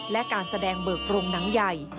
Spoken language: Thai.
และการแสดงเบิกโรงหนังใหญ่